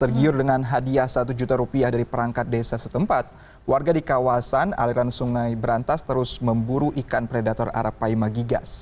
tergiur dengan hadiah satu juta rupiah dari perangkat desa setempat warga di kawasan aliran sungai berantas terus memburu ikan predator arapaima gigas